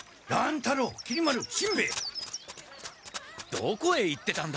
どこへ行ってたんだ？